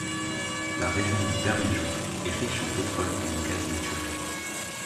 La région de Bermejo est riche en pétrole et gaz naturel.